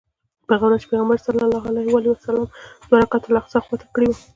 په هغه ورځ پیغمبر صلی الله علیه وسلم دوه رکعته الاقصی خواته کړی و.